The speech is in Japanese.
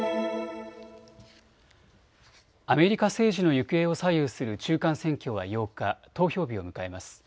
アメリカ政治の行方を左右する中間選挙は８日、投票日を迎えます。